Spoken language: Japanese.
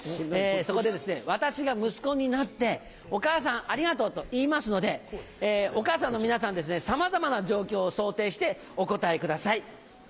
そこで私が息子になって「お母さんありがとう」と言いますのでお母さんの皆さんはさまざまな状況を想定してお答えください。